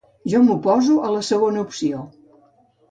Jo m'oposo a la segona opció.